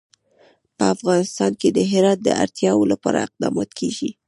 په افغانستان کې د هرات د اړتیاوو لپاره اقدامات کېږي.